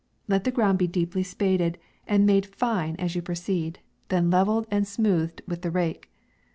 Let the ground be deep spaded, and made fine as you H 86 MAY. proceed, then levelled, and smoothed with the rake.